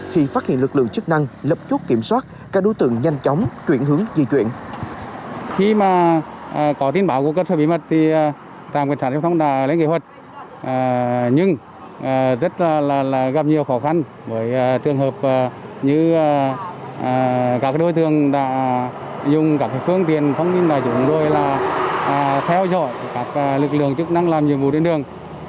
khi phát hiện lực lượng chức năng lập chốt kiểm soát các đối tượng nhanh chóng chuyển hướng di chuyển